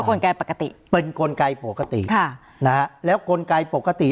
กลไกปกติเป็นกลไกปกติค่ะนะฮะแล้วกลไกปกติ